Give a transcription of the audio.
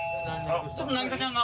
ちょっと凪咲ちゃんが。